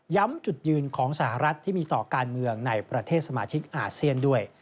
จุดยืนของสหรัฐที่มีต่อการเมืองในประเทศสมาชิกอาเซียนด้วย